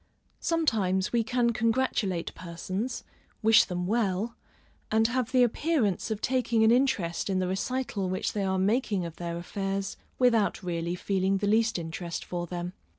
Sometimes we can congratulate persons, wish them well, and have the appearance of taking an interest in the recital which they are making of their affairs, without really feeling the least interest for them.